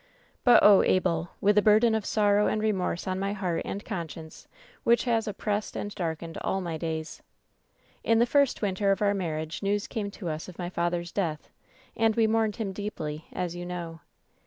"But, oh, Abel I with a burden of sorrow and remorse on my heart and conscience which has oppressed and darkened all my days. "In the first winter of our marriage news came to us of my father's death, and we mourned him deeply, as lyou know.